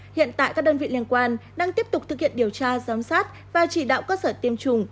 hiện tại các đơn vị liên quan đang tiếp tục thực hiện điều tra giám sát và chỉ đạo cơ sở tiêm chủng